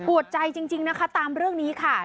วดใจจริงนะคะตามเรื่องนี้ค่ะ